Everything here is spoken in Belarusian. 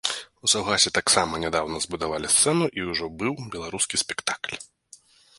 У саўгасе таксама нядаўна збудавалі сцэну і ўжо быў беларускі спектакль.